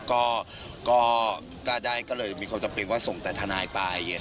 ก็ได้ก็เลยมีความจำเป็นว่าส่งแต่ทนายไป